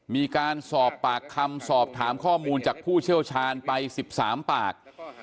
มีการสอบปากคำสอบถามข้อมูลจากผู้เชี่ยวชาญไป๑๓ปาก